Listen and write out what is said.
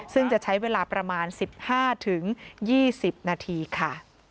ซึ่งจะใช้เวลาประมาณ๑๕๒๐นาทีค่ะ